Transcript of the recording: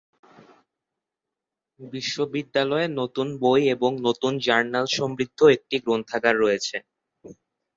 বিশ্ববিদ্যালয়ে নতুন বই এবং নতুন জার্নাল সমৃদ্ধ একটি গ্রন্থাগার রয়েছে।